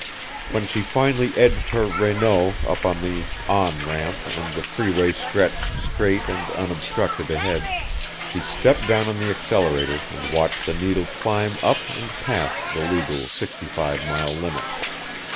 When she finally edged her Renault up on the "on" ramp and the freeway stretched straight and unobstructed ahead, she stepped down on the accelerator and watched the needle climb up and past the legal 65 mile limit.